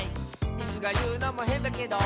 「イスがいうのもへんだけど」